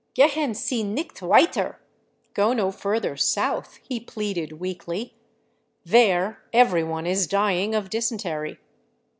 " Gehen Sie nicht weiter — Go no further south," he pleaded weakly. " There everyone is dying of dysentery.